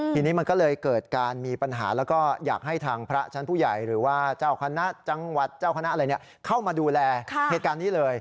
ทีนี้มันก็เลยเกิดการมีปัญหาแล้วก็อยากให้ทางพระชั้นผู้ใหญ่หรือว่าเจ้าคณะจังหวัดเจ้าคณะอะไรเข้ามาดูแลเหตุการณ์นี้เลย